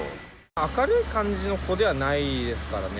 明るい感じの子ではないですからね。